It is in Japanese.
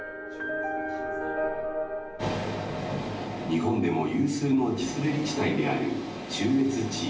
「日本でも有数の地滑り地帯である中越地域。